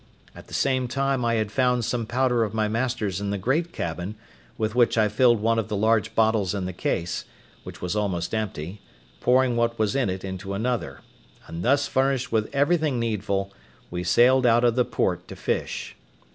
At the same time I had found some powder of my master's in the great cabin, with which I filled one of the large bottles in the case, which was almost empty, pouring what was in it into another; and thus furnished with everything needful, we sailed out of the port to fish.